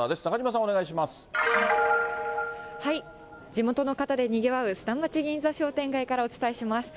地元の方でにぎわう砂町銀座商店街からお伝えします。